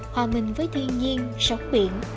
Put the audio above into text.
hòa mình với thiên nhiên sóng biển